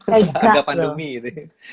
harga pandemi gitu